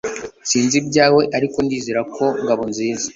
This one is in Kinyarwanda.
Sinzi ibyawe ariko ndizera ko Ngabonziza